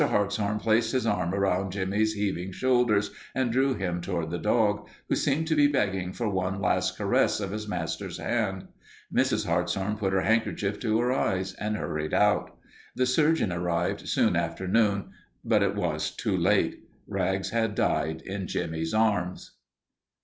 Hartshorn placed his arm about Jimmie's heaving shoulders and drew him toward the dog, who seemed to be begging for one last caress of his master's hand. Mrs. Hartshorn put her handkerchief to her eyes and hurried out. The surgeon arrived soon after noon, but it was too late. Rags had died in Jimmie's arms.